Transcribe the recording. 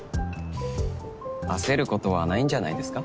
焦ることはないんじゃないですか。